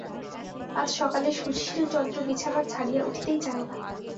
আজ সকালে সুশীলচন্দ্র বিছানা ছাড়িয়া উঠিতেই চায় না।